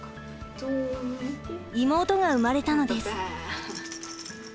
妹が生まれたのです。